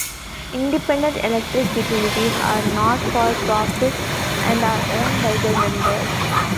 Independent electric utilities are not-for-profit and are owned by their members.